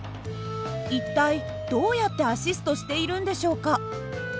一体どうやってアシストしているんでしょうか？